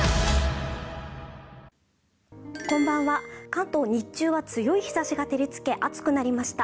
関東、日中は強い日ざしが照りつけ、暑くなりました。